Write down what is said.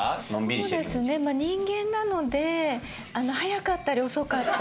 そうですねまぁ人間なので速かったり遅かったり。